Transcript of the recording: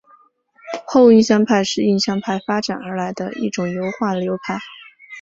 后印象派是印象派发展而来的一种油画流派。